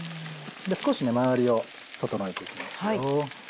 少し周りを整えていきますよ。